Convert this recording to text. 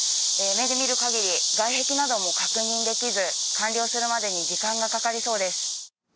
目で見るかぎり、外壁なども確認できず、完了するまでに時間がかかりそうです。